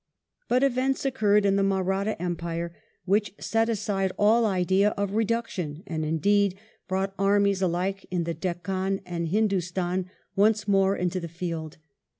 But events occurred in the Mahratta empire which set 58 WELLINGTON chap, ii aside Sill idea of reduction, and, indeed, brought armies alike in the Deccan and Hindustan once more into the field.